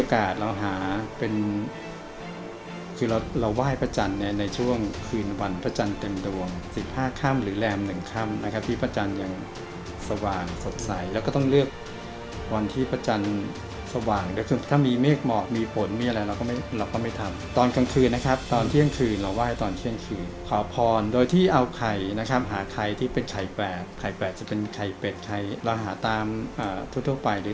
คือเราว่ายพระจันทรในช่วงคืนวันพระจันทรเต็มดวงสิบห้าค่ำหรือแรมหนึ่งค่ำนะครับที่พระจันทรยังสว่างสดใสแล้วก็ต้องเลือกวันที่พระจันทรสว่างถ้ามีเมฆเหมาะมีผลมีอะไรเราก็ไม่เราก็ไม่ทำตอนกลางคืนนะครับตอนเที่ยงคืนเราว่ายตอนเที่ยงคืนขอพรโดยที่เอาไข่นะครับหาไข่ที่เป็นไข่แปดไข